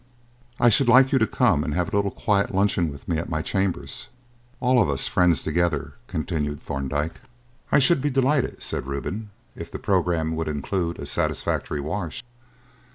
"I should like you to come and have a little quiet luncheon with me at my chambers all of us friends together," continued Thorndyke. "I should be delighted," said Reuben, "if the programme would include a satisfactory wash."